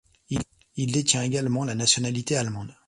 Il détient également la nationalité allemande.